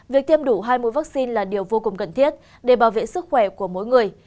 việc tiêm đủ hai mũi vaccine là điều vô cùng cần thiết để bảo vệ sức khỏe của mỗi người